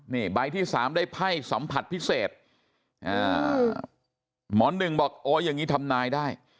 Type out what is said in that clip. นี่ใบที่๓ได้ไพ่สัมผัสพิเศษหมอหนึ่งบอกโอ๊ยอย่างนี้ทำนายได้